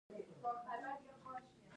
ټول انسانان یو